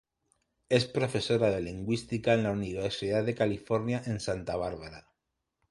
Es profesora de Lingüística en la Universidad de California en Santa Barbara.